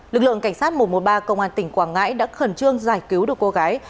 lực lượng cảnh sát một trăm một mươi ba công an tỉnh quảng ngãi đã khẩn trương giải cứu được cô gái